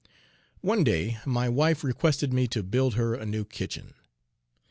One day my wife requested me to build her a new kitchen.